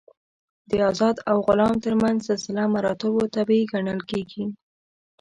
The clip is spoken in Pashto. د آزاد او غلام تر منځ سلسله مراتبو طبیعي ګڼل کېږي.